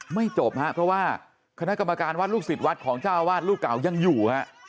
ไม่จบครับเพราะว่าคณะกรรมการวัดลูกศิษย์วัดของจ้าวาดรูปเก่ายังอยู่